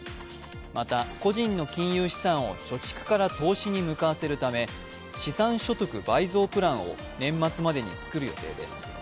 また、個人の金融資産を貯蓄から投資に向かわせるため資産所得倍増プランを年末までに作る予定です。